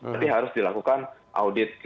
jadi harus dilakukan audit